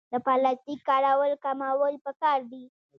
د پلاستیک کارول کمول پکار دي